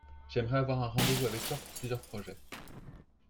j'aimerais avoir un rendez-vous avec toi pour plusieurs projets.